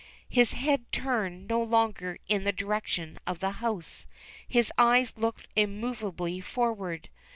His head turned SNOWY PETER. 345 no longer in the direction of the house. His eyes looked immovably forward.